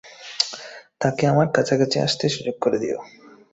তাকে আমার কাছাকাছি আসতে সুযোগ করে দিও।